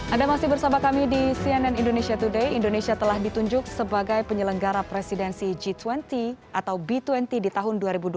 anda masih bersama kami di cnn indonesia today indonesia telah ditunjuk sebagai penyelenggara presidensi g dua puluh atau b dua puluh di tahun dua ribu dua puluh